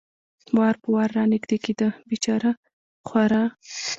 وار په وار را نږدې کېده، بېچاره خورا.